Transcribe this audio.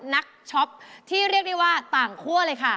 ช็อปที่เรียกได้ว่าต่างคั่วเลยค่ะ